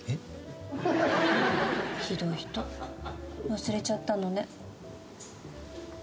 忘れちゃったのね。